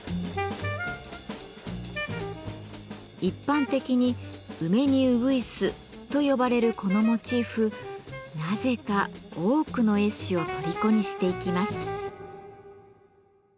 一般的に「梅にうぐいす」と呼ばれるこのモチーフなぜか多くの絵師をとりこにしていきます。